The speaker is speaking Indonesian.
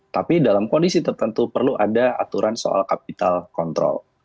tapi dalam kondisi tertentu perlu ada aturan soal kapital kontrol